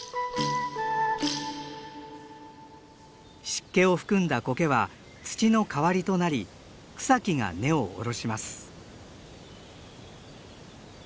湿気を含んだコケは土の代わりとなり草木が根を下ろします。